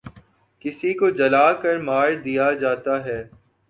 کسی کو جلا کر مار دیا جاتا ہے